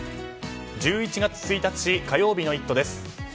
１１月１日火曜日の「イット！」です。